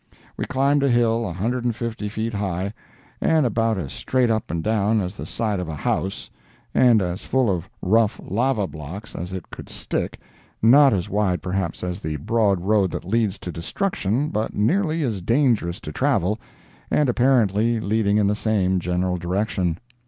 We climbed a hill a hundred and fifty feet high, and about as straight up and down as the side of a house, and as full of rough lava blocks as it could stick—not as wide, perhaps, as the broad road that leads to destruction, but nearly as dangerous to travel, and apparently leading in the same general direction.